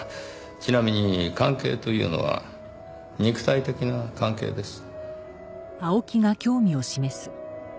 ちなみに関係というのは肉体的な関係です。